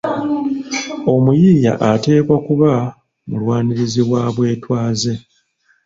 Omuyiiya ateekwa kuba mulwanirizi wa bwetwaze.